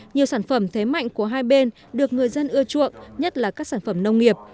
nhiều sản phẩm thế mạnh của hai bên được người dân ưa chuộng nhất là các sản phẩm nông nghiệp